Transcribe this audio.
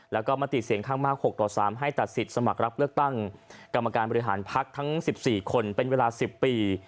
แล้วก็มติเสียงข้างมาก๖ต่อ๓ให้ตัดสิทธิ์สมัครรับเลือกตั้งกรรมการบริหารพักทั้ง๑๔คนเป็นเวลา๑๐ปี